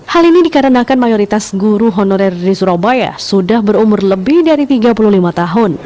hal ini dikarenakan mayoritas guru honorer di surabaya sudah berumur lebih dari tiga puluh lima tahun